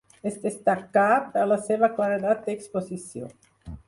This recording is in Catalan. Es destacà per la seva claredat d'exposició.